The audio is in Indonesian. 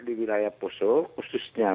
di wilayah pusuh khususnya